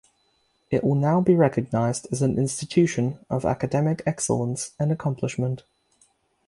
It will now be recognized as an institution of academic excellence and accomplishment.